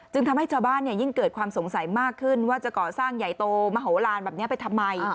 จึงทำให้ชาวบ้านหยิ่งเกิดความสงสัยมากขึ้นว่าจะก่อสร้างใยโตมหโหลาณไปทำไม